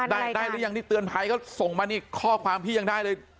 ได้หรือยังนี่เตือนภัยก็ส่งมานี่ข้อความพี่ยังได้เลย